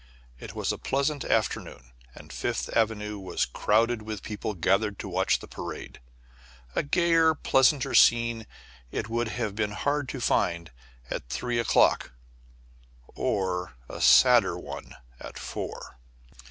It was a pleasant afternoon, and Fifth Avenue was crowded with people gathered to watch the parade. A gayer, pleasanter scene it would have been hard to find at three o'clock, or a sadder one at four.